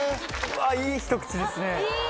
いいひと口ですね。